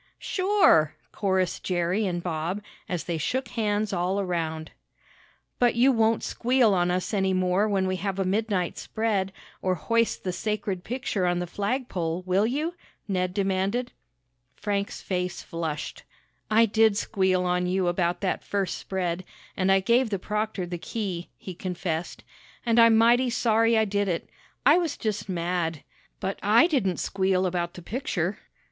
"Sure!" chorused Jerry and Bob, as they shook hands all around. "But you won't squeal on us any more when we have a midnight spread, or hoist the sacred picture on the flagpole; will you?" Ned demanded. Frank's face flushed. "I did squeal on you about that first spread, and I gave the proctor the key," he confessed, "and I'm mighty sorry I did it. I was just mad. But I didn't squeal about the picture!"